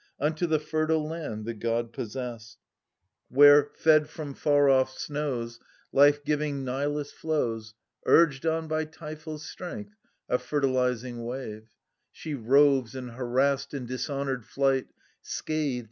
Unto the fertile land, the god possest, * Cyprus. 30 THE SUPPLIANT MAIDENS. (Where, fed from far off snows, Life giving Nilus flows. Urged on by Typho's strength, a fertilizing wave), She roves, in harassed and dishonoured flight, Scathed